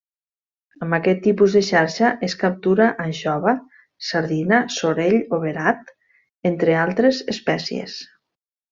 Amb aquest tipus de xarxa es captura anxova, sardina, sorell o verat entre altres espècies.